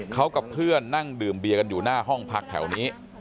เขากับเพื่อนนั่งดื่มเบียกันอยู่หน้าห้องพักแถวนี้